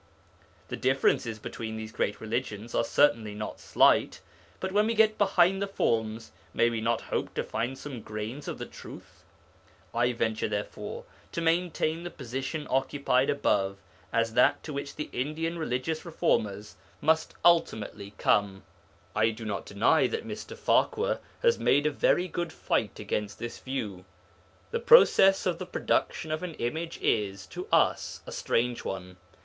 The differences between these great religions are certainly not slight. But when we get behind the forms, may we not hope to find some grains of the truth? I venture, therefore, to maintain the position occupied above as that to which Indian religious reformers must ultimately come. I do not deny that Mr. Farquhar has made a very good fight against this view. The process of the production of an image is, to us, a strange one.